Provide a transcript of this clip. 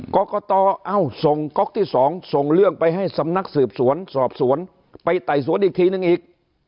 กรกตส่งก๊อกที่๒ส่งเรื่องไปให้สำนักสืบสวนสอบสวนไปไต่สวนอีกทีนึงอีก